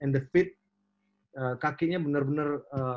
dan kaki kakinya bener bener